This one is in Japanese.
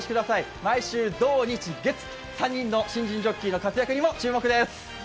毎週、土日月、３人の新人ジョッキーの活躍にも注目です。